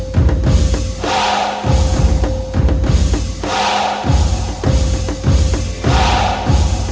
โชว์สี่ภาคจากอัลคาซ่าครับ